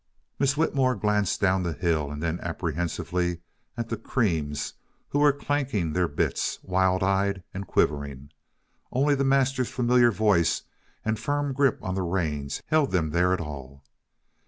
Miss Whitmore glanced down the hill, and then, apprehensively, at the creams, who were clanking their bits, wild eyed and quivering. Only their master's familiar voice and firm grip on the reins held them there at all.